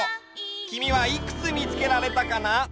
きみはいくつみつけられたかな？